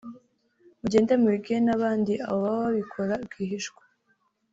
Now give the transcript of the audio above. mugende mubibwire n’abandi abo baba babikora rwihishwa